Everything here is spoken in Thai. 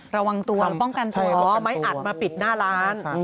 ระวังตัวป้องกันตัวหรือเอาไม้อัดมาปิดหน้าร้าน